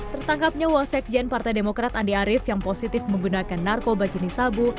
tertangkapnya wasekjen partai demokrat andi arief yang positif menggunakan narkoba jenis sabu